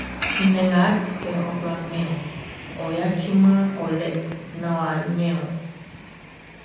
Nnɛn nga a si kɛ ɔ kwla min wɔʼn, ɔ yaciman ɔ lɛ naan ɔ ɲin ɔ.